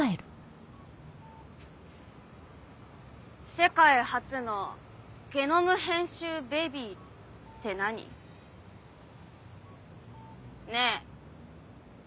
世界初のゲノム編集ベビーって何？ねぇ。